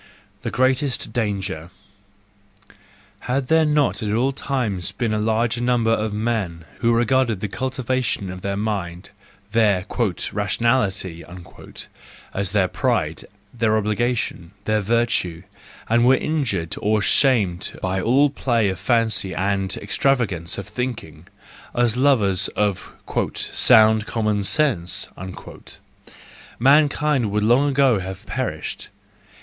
The greatest Danger .—Had there not at all times been a larger number of men who regarded the THE JOYFUL WISDOM, II 107 cultivation of their mind—their "rationality"— as their pride, their obligation, their virtue, and were injured or shamed by all play of fancy and extravagance of thinking—as lovers of "sound common sense ":—mankind would long ago have perished!